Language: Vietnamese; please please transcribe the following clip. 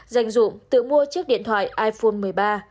dành dụng tự mua chiếc điện thoại iphone một mươi ba